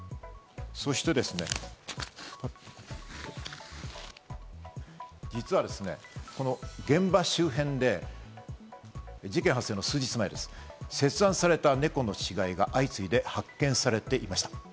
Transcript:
そしてですね、実はですね、この現場周辺で事件発生の数日前です、切断された猫の死骸が相次いで発見されていました。